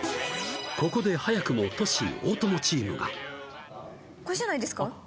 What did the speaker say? ここで早くもトシ大友チームがこれじゃないですか？